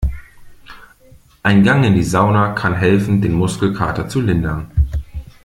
Ein Gang in die Sauna kann helfen, den Muskelkater zu lindern.